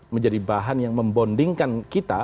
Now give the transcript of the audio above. menjadi bahan yang membondingkan kita